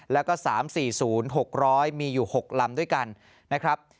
แล้วก็๓๔๐๖๐๐มีอยู่๖ลำด้วยกันนะครับ